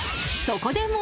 ［そこで］